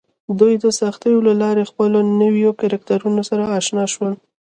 دوی د سختیو له لارې له خپلو نویو کرکټرونو سره اشنا شول